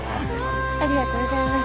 ありがとうございます。